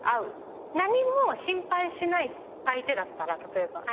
何も心配しない相手だったら例えば。